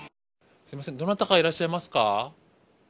すいません、どなたかいらっしゃいますか。